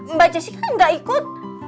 mbak jess kan nggak ikut